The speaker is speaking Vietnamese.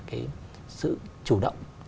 cái sự chủ động